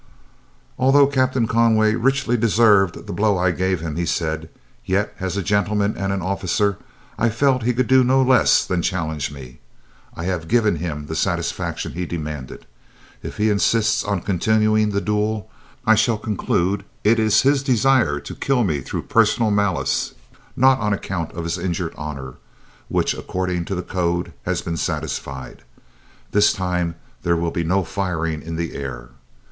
"Although Captain Conway richly deserved the blow I gave him," he said, "yet as a gentleman and an officer I felt he could do no less than challenge me. I have given him the satisfaction he demanded. If he insists on continuing the duel, I shall conclude it is his desire to kill me through personal malice, not on account of his injured honor, which according to the code has been satisfied. This time there will be no firing in the air.